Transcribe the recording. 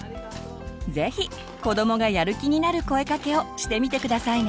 是非子どもがやる気になる声かけをしてみて下さいね。